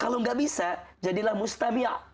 kalau tidak bisa jadilah mustami'a